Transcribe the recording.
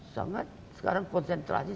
sekarang sangat konsentrasi